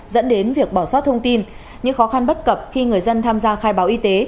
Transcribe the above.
dẫn đến việc bỏ sót thông tin những khó khăn bất cập khi người dân tham gia khai báo y tế